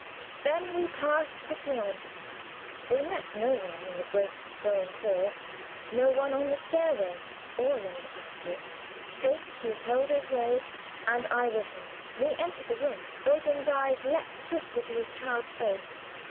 Then we passed quickly on. We met no one in the great stone hall no one on the stairway or along the passages straight he held his way, and I with him. We entered the room. Eugen's eyes leaped swiftly to his child's face.